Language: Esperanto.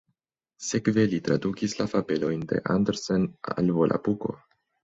Sekve li tradukis la fabelojn de Andersen al Volapuko.